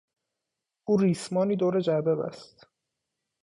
او ریسمانی دور جعبه بست.